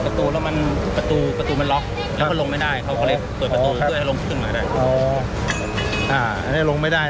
เราก็เลยปะตุมาได้